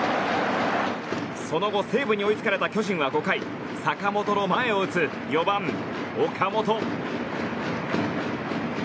その後、西武に追いつかれた巨人は５回坂本の前を打つ４番、岡本。